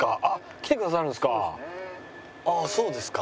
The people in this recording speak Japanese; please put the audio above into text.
来てくださるんですか。